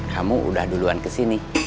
kamu udah duluan kesini